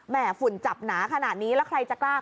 ฝุ่นจับหนาขนาดนี้แล้วใครจะกล้า